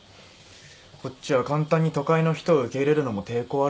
こっちは簡単に都会の人を受け入れるのも抵抗あるしな。